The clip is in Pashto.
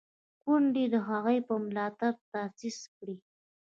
ګوند یې د هغوی په ملاتړ تاسیس کړی.